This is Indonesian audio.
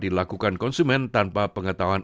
dilakukan konsumen tanpa pengetahuan